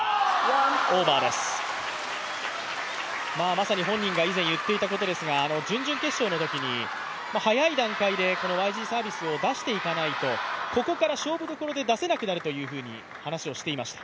まさに本人が以前、言っていたことですが準々決勝のときに早い段階でこのＹＧサービスを出していかないとここから勝負どころで出せなくなるという話をしていました。